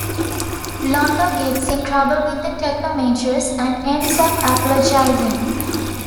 Londo gets in trouble with the Technomages and ends up apologizing.